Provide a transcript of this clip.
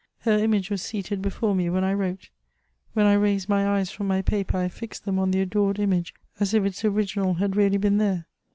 Her image was seated before me when I wrote. When I raised my eyes fi'om my paper, I fixed them on the adored image, as if its anginal had really been there.